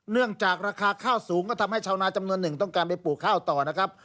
เนื่องจากราคาข้าวสูงก็ทำให้ชาวนาจำนวนหนึ่งต้องการไปปลูกข้าวต่อนะครับ